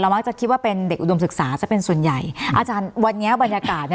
มักจะคิดว่าเป็นเด็กอุดมศึกษาซะเป็นส่วนใหญ่อาจารย์วันนี้บรรยากาศเนี่ย